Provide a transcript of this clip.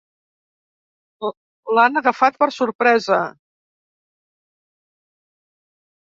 L'han agafat per sorpresa.